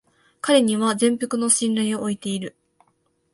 彼には全幅の信頼を置いている